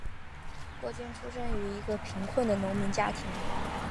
郭坚出生于一个贫苦的农民家庭。